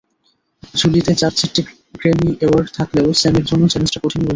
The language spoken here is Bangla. ঝুলিতে চার-চারটে গ্র্যামি অ্যাওয়ার্ড থাকলেও, স্যামের জন্য চ্যালেঞ্জটা কঠিনই বলতে হবে।